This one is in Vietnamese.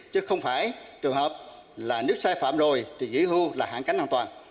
chứ không phải trường hợp là nếu sai phạm rồi thì nghỉ hưu là hạn cánh an toàn